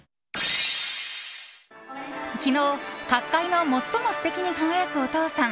昨日各界の最も素敵に輝くお父さん